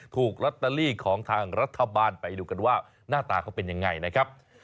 ถูกลอตเตอรี่ของทางรัฐบาลไปดูกันว่าหน้าตาเขาเป็นยังไงนะครับ